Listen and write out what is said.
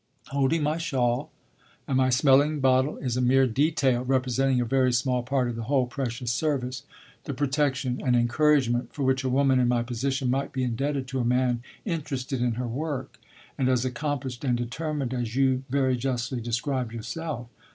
"Holding my shawl and my smelling bottle is a mere detail, representing a very small part of the whole precious service, the protection and encouragement, for which a woman in my position might be indebted to a man interested in her work and as accomplished and determined as you very justly describe yourself."